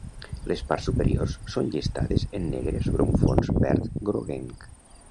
Les parts superiors són llistades en negre sobre un fons verd groguenc.